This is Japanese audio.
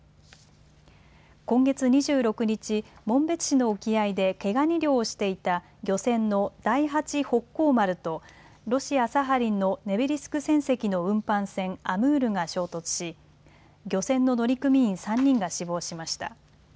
今月２６日、紋別市の沖合で毛ガニ漁をしていた漁船の第八北幸丸とロシア・サハリンのネベリスク船籍の運搬船、ＡＭＵＲが衝突し漁船の乗組員３人が死亡しました。